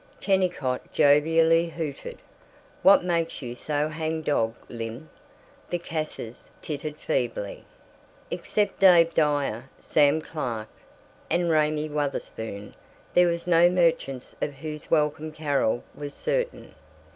Kennicott jovially hooted, "What makes you so hang dog, Lym?" The Casses tittered feebly. Except Dave Dyer, Sam Clark, and Raymie Wutherspoon, there were no merchants of whose welcome Carol was certain.